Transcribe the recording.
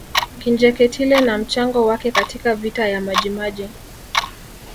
Kinjeketile na mchango wake katika Vita ya Majimaji